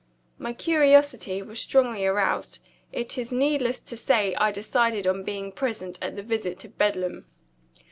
My curiosity was strongly aroused. It is needless to say I decided on being present at the visit to Bedlam.